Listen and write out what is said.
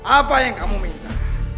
apa yang kamu minta